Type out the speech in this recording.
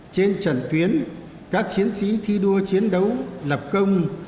trên trận tuyến các chiến sĩ thi đua chiến đấu lập công